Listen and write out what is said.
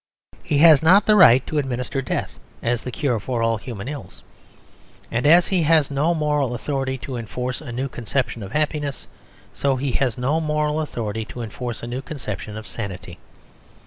He has not the right to administer death, as the cure for all human ills. And as he has no moral authority to enforce a new conception of happiness, so he has no moral authority to enforce a new conception of sanity.